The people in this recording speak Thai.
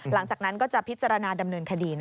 หลังจากนั้นก็จะพิจารณาดำเนินคดี